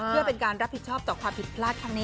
เพื่อเป็นการรับผิดชอบต่อความผิดพลาดครั้งนี้